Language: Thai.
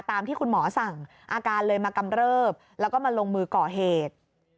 ตามที่คุณหมอสั่งอาการเลยมากำเริบแล้วก็มาลงมือก่อเหตุ